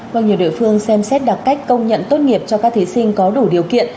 vâng nhiều địa phương xem xét đặc cách công nhận tốt nghiệp cho các thí sinh có đủ điều kiện